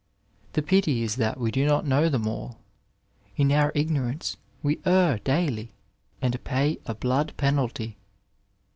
The pity is that we do not know them all ; in our ignor ance we err daily, and pay a blood penalty.